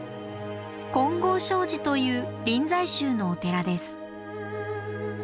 金剛證寺という臨済宗のお寺です。